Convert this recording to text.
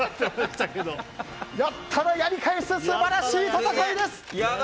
やったらやり返す素晴らしい戦いです！